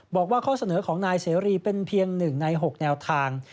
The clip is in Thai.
บอกว่าข้อเสนอของนายเสรีเป็นเพียง๑ใน๖แนวทาง